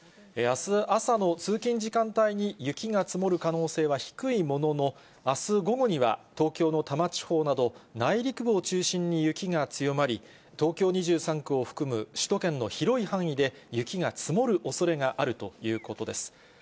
あす朝の通勤時間帯に雪が積もる可能性は低いものの、あす午後には、東京の多摩地方など、内陸部を中心に雪が強まり、東京２３区を含む首都圏の広い範囲で雪が積もるおそれがあるということです。